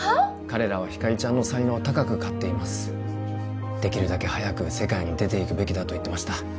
彼らはひかりちゃんの才能を高く買っていますできるだけ早く世界に出ていくべきだと言ってました